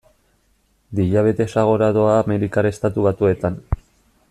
Diabetesa gora doa Amerikar Estatu Batuetan.